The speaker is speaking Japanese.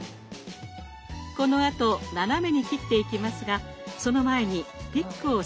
このあと斜めに切っていきますがその前にピックを刺します。